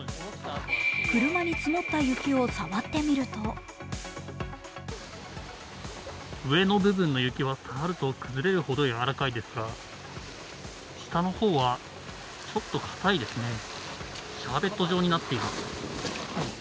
車に積もった雪を触ってみると上の部分の雪は触ると崩れるほどやわらかいですが、下の方はちょっとかたいですね、シャーベット状になっています。